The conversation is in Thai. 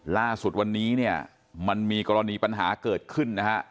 ล่าสุดวันนี้เนี่ยมันมีกรณีปัญหาเกิดขึ้นนะฮะ